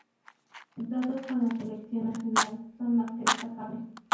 Sus datos con la selección nacional son más que destacables.